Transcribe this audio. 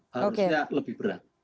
harusnya lebih berat